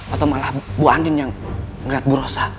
atau malah bu andin yang melihat bu rosa